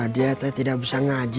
dia tidak bisa ngaji